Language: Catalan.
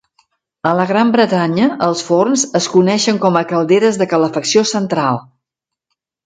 A la Gran Bretanya, els forns es coneixen com a calderes de calefacció central